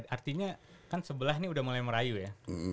artinya kan sebelah ini sudah mulai merayu ya